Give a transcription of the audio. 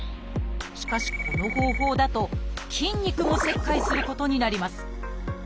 しかしこの方法だと筋肉も切開することになります。